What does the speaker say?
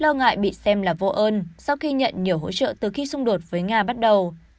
lo ngại bị xem là vô ơn sau khi nhận nhiều hỗ trợ từ khi xung đột với nga bắt đầu